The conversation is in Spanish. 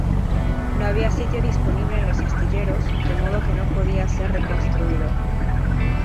No había sitio disponible en los astilleros, de modo que no podía ser reconstruido.